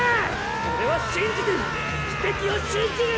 オレは信じてる奇跡を信じる！